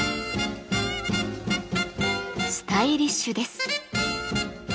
スタイリッシュです。